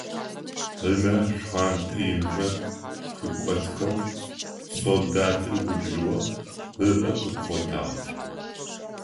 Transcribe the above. Ынэ шхъонтӏэ инхэр къикӏотхэу солдатыр губжыгъэ, ыӏэ къыпхъотагъ.